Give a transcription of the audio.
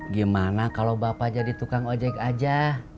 gimana kalau bapak jadi tukang ojek aja